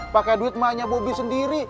pakai duit mahanya bobby sendiri